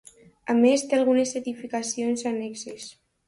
A més, té algunes edificacions annexes.